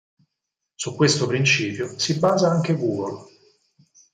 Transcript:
Su questo principio si basa anche Google.